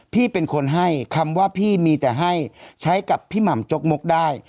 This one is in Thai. พี่เป็นคนให้คำว่าพี่มีแต่ให้ใช้กับพี่หม่ำจกมกได้